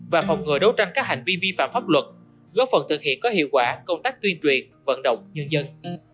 và các hành vi vi phạm pháp luật góp phần thực hiện có hiệu quả công tác tuyên truyền vận động nhân dân